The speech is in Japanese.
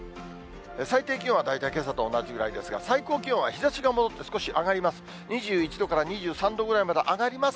最低気温は大体けさと同じぐらいですが、最高気温は日ざしが戻って、少し上がります。